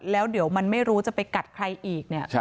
แล้วเดี๋ยวมันไม่รู้จะไปกัดใครอีกเนี่ย